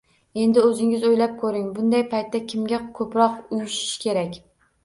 Endi o'zingiz o'ylab ko'ring, bunday paytda kimga ko'proq uyushish kerak?